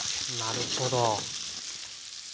なるほど。